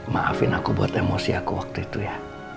maafin aku buat emosi aku waktu itu ya